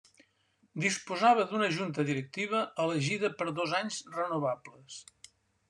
Disposava d'una junta directiva, elegida per dos anys renovables.